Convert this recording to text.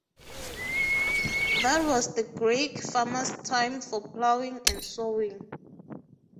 That was the Greek farmer's time for ploughing and sowing.